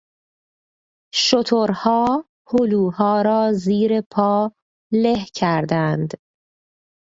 شترها هلوها را زیر پا له کردند.